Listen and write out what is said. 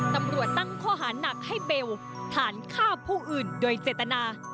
ตำรวจตั้งข้อหาหนักให้เบลฐานฆ่าผู้อื่นโดยเจตนา